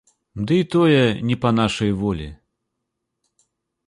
Дый тое не па нашай волі.